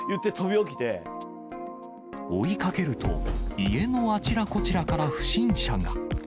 追いかけると、家のあちらこちらから不審者が。